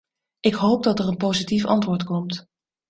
Ik hoop dat er een positief antwoord komt.